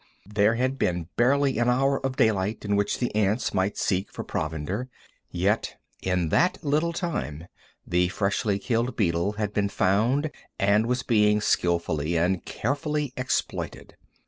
There had been barely an hour of daylight in which the ants might seek for provender, yet in that little time the freshly killed beetle had been found and was being skilfully and carefully exploited.